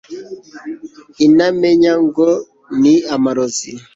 intamenya ngo ni amarozi